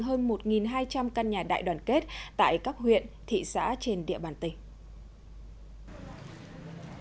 hơn một hai trăm linh căn nhà đại đoàn kết tại các huyện thị xã trên địa bàn tỉnh